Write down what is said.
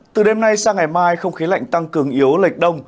từ đêm nay sang ngày mai không khí lạnh tăng cường yếu lệch đông